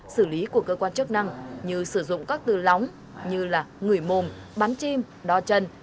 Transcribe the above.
xử lý của cơ quan chức năng như sử dụng các từ lóng như là ngửi mồm bắn chim đo chân